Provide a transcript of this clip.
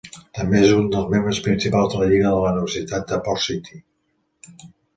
També és un dels membres principals de la Lliga de la Universitat de Port-City.